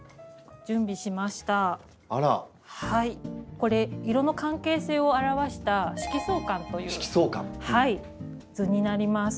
これ色の関係性を表した「色相環」という図になります。